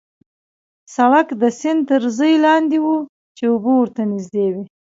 سړک د سیند تر ژۍ لاندې وو، چې اوبه ورته نژدې وې.